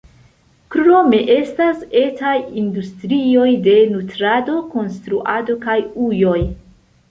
Krome estas etaj industrioj de nutrado, konstruado kaj ujoj.